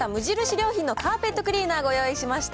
良品のカーペットクリーナーご用意しました。